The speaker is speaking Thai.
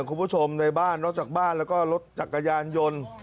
คุณผู้ชมในบ้านนอกจากบ้านแล้วก็รถจักรยานยนต์